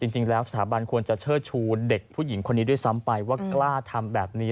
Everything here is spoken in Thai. จริงแล้วสถาบันควรจะเชิดชูเด็กผู้หญิงคนนี้ด้วยซ้ำไปว่ากล้าทำแบบนี้